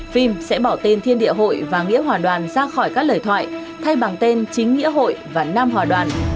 phim sẽ bỏ tên thiên địa hội và nghĩa hòa đoàn ra khỏi các lời thoại thay bằng tên chính nghĩa hội và nam hòa đoàn